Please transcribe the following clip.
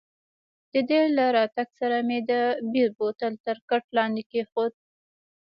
د دې له راتګ سره مې د بیر بوتل تر کټ لاندې کښېښود.